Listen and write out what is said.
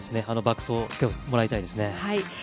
爆走してもらいたいですね。